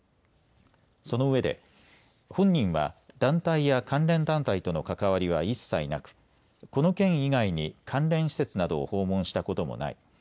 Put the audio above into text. そのうえで本人は団体や関連団体との関わりは一切なく、この件以外に関連施設などを訪問したこともない。